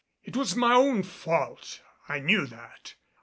It was my own fault. I knew that.